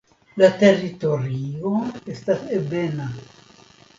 La teritorio estas ebena.